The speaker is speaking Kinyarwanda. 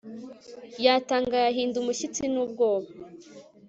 yatangaye, ahinda umushyitsi n'ubwoba